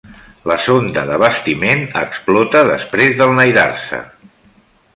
La sonda d'abastiment explota després d'enlairar-se.